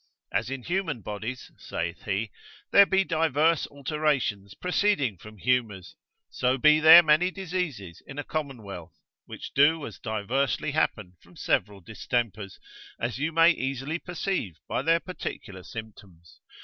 As in human bodies (saith he) there be divers alterations proceeding from humours, so be there many diseases in a commonwealth, which do as diversely happen from several distempers, as you may easily perceive by their particular symptoms.